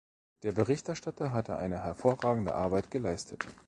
Der Berichterstatter hat eine hervorragende Arbeit geleistet.